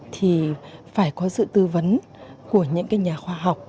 thì phải có sự tư vấn của những nhà khoa học